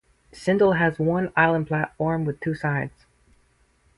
Syndal has one island platform with two sides.